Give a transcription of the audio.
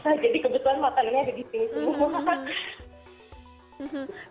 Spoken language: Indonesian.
jadi kebetulan makanannya ada di sini semua